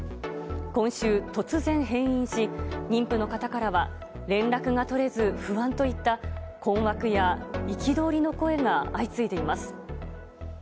今週、突然閉院し妊婦の方からは連絡が取れず不安といった困惑や憤りの声が相次いでいます。